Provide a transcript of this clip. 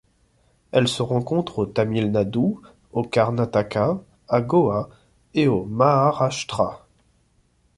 Elle se rencontre au Tamil Nadu, au Karnataka, à Goa et au Maharashtra.